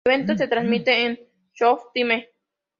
El evento se transmitirá en Showtime.